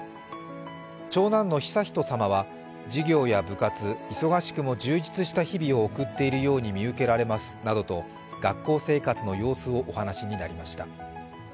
長男の悠仁さまは授業や部活、忙しくも充実した日々を送っているように見受けられますなどと学校生活の様子をお話しになりました。